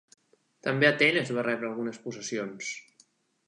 També Atenes va rebre algunes possessions.